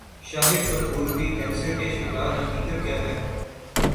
شاہد کپور بھی کینسر کے شکار حقیقت کیا ہے